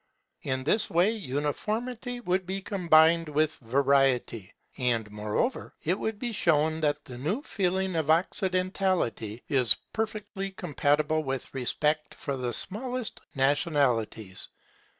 In this way uniformity would be combined with variety; and, moreover, it would be shown that the new feeling of Occidentality is perfectly compatible with respect for the smallest nationalities.